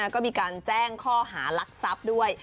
ก็มีการแจ้งข้อหารักทรัพย์ด้วย